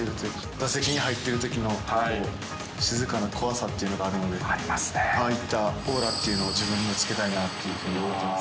打席に入ってるときの、静かな怖さっていうのがあるので、ああいったオーラっていうのを自分にもつけたいなというふうに思ってます。